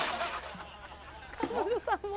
彼女さんも。